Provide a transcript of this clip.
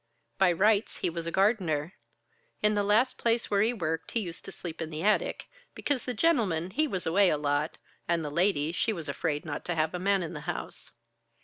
By rights he was a gardener. In the last place where he worked he used to sleep in the attic, because the gentleman he was away a lot, and the lady she was afraid not to have a man in the house.